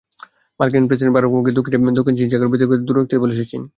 মার্কিন president Barack ওবামাকে দক্ষিণ চীন সাগর বিতর্ক থেকে দূরে থাকতে বলেছে চীন।